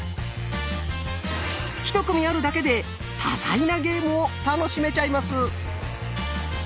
１組あるだけで多彩なゲームを楽しめちゃいます。